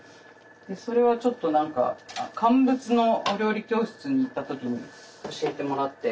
それはちょっと何か乾物のお料理教室に行った時に教えてもらって。